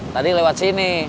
tadi lewat sini